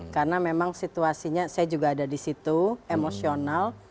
karena memang situasinya saya juga ada di situ emosional